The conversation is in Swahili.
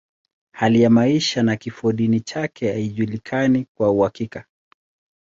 Hali ya maisha na kifodini chake haijulikani kwa uhakika.